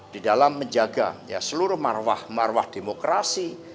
di dalam menjaga seluruh marwah marwah demokrasi